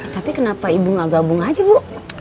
tapi kenapa ibu gak gabung aja bu